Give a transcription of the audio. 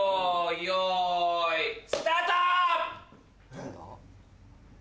何だ？